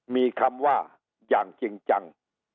มีคำว่าอย่างจริงจัง